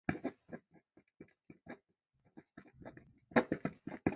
中华对马耳蕨为鳞毛蕨科耳蕨属下的一个种。